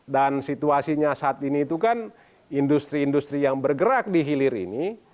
dan situasinya saat ini itu kan industri industri yang bergerak di hilir ini